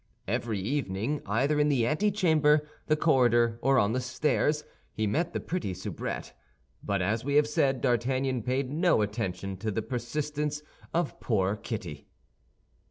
Every evening, either in the antechamber, the corridor, or on the stairs, he met the pretty soubrette. But, as we have said, D'Artagnan paid no attention to this persistence of poor Kitty.